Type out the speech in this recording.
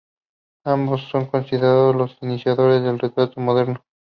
Ambos son considerados los iniciadores del retrato moderno.